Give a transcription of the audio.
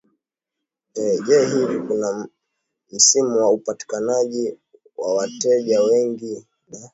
ee je hivi kuna msimu wa upatikanaji wa wateja wengi na